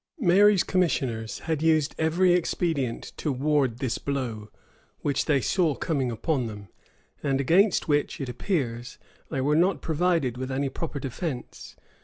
[] Mary's commissioners had used every expedient to ward this blow, which they saw coming upon them, and against which, it appears, they were not provided with any proper defence.